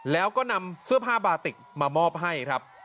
แล้วก็นำเสื้อผ้าบาติกมามอบให้ครับ